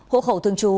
hộ khẩu thường trú